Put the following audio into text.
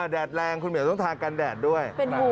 แดดแรงคุณเหมียวต้องทากันแดดด้วย